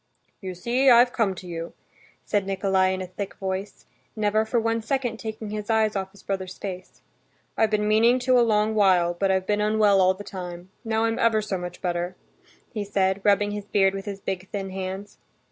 "You see, I've come to you," said Nikolay in a thick voice, never for one second taking his eyes off his brother's face. "I've been meaning to a long while, but I've been unwell all the time. Now I'm ever so much better," he said, rubbing his beard with his big thin hands.